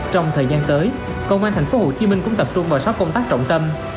trong thời gian tới công an tp hcm cũng tập trung vào sáu công tác trọng tâm